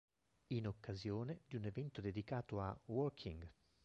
In occasione di un evento dedicato a "Working!!